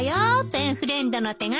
ペンフレンドの手紙。